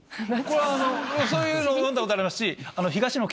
そういうのを読んだことありますし。